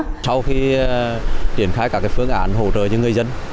sau khi triển khai các phương án hỗ trợ cho người dân